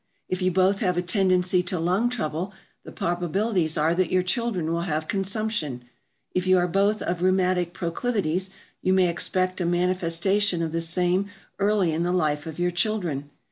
If you both have a tendency to lung trouble, the probabilities are that your children will have consumption. If you both are of rheumatic proclivities, you may expect a manifestation of the same early in the life of your children.